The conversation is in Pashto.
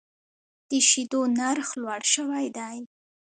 د شیدو نرخ لوړ شوی دی.